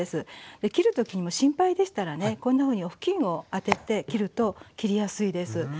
で切るときにもう心配でしたらねこんなふうにお布巾を当てて切ると切りやすいです。